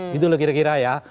gitu loh kira kira ya